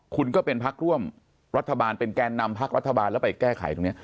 คุณก็เป็นพักร่วมรัฐบาลเป็นแกนนำพักรัฐบาลแล้วไปแก้ไขตรงนี้